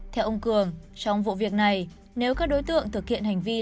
theo ông cường trong vụ việc này nếu các đối tượng thực hiện hành vi